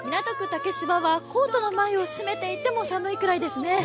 竹芝はコートの前を閉めていても寒いぐらいですね。